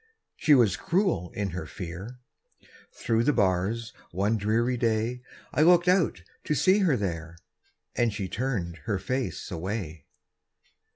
She was cruel in her fear; Through the bars one dreary day, I looked out to see her there, And she turned her face away!